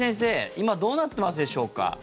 今どうなってますでしょうか。